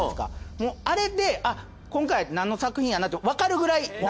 もうあれで今回何の作品やなってわかるくらい。